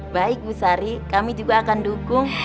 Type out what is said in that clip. baik bu sari kami juga akan dukung